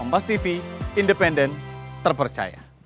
pak soal badan pelaburan di